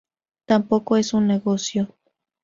Tampoco es un negocio.